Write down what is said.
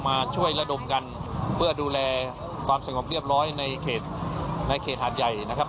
มาช่วยระดมกันเพื่อดูแลความสงบเรียบร้อยในเขตในเขตหาดใหญ่นะครับ